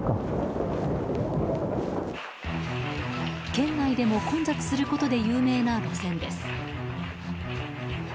県内でも混雑することで有名な路線です。